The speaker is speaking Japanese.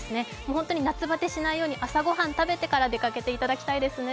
本当に夏バテしないように朝ごはん食べてから出かけていただきたいですね。